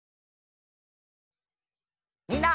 みんな。